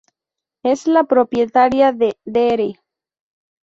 Es la propietaria de 'Dr.